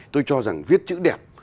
tôi cho rằng viết chữ đẹp